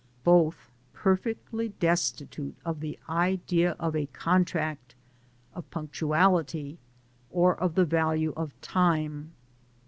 —* Both perfectly destitute of the idea of a oontracti of punctuality,' or of the value of time.